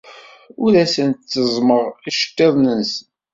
Ur asen-tteẓẓmeɣ iceḍḍiḍen-nsen.